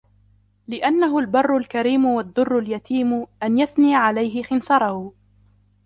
لِأَنَّهُ الْبَرُّ الْكَرِيمُ وَالدُّرُّ الْيَتِيمُ أَنْ يَثْنِيَ عَلَيْهِ خِنْصَرَهُ